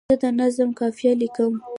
زه د نظم قافیه لیکم.